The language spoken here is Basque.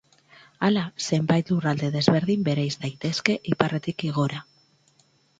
Hala, zenbait lurralde desberdin bereiz daitezke iparretik hegora.